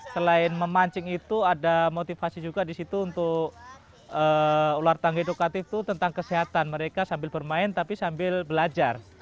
selain memancing itu ada motivasi juga di situ untuk ular tangga edukatif itu tentang kesehatan mereka sambil bermain tapi sambil belajar